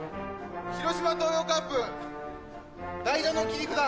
広島東洋カープ代打の切り札。